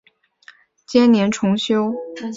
清朝嘉庆年间重修。